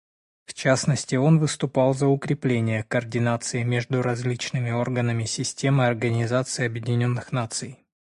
В частности, он выступал за укрепление координации между различными органами системы Организации Объединенных Наций.